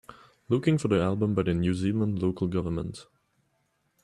Looking for the album by the New Zealand Local Government